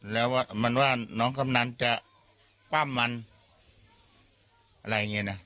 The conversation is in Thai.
แล้วมันว่าน้องกำนันจะปั้มมันอะไรอย่างนี้นะ